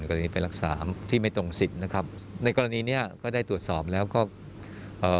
กรณีไปรักษาที่ไม่ตรงสิทธิ์นะครับในกรณีเนี้ยก็ได้ตรวจสอบแล้วก็เอ่อ